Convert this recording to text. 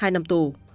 hai năm tù